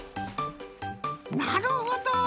なるほど！